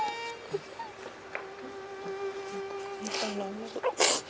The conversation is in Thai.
ไม่ต้องน้องไม่รู้